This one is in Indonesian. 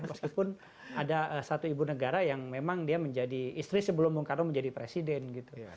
meskipun ada satu ibu negara yang memang dia menjadi istri sebelum bung karno menjadi presiden gitu